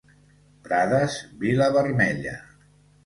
Prades, vila vermella.